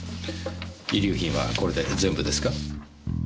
遺留品はこれで全部ですか？